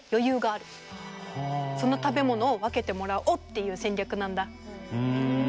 その食べ物を分けてもらおうっていう戦略なんだ。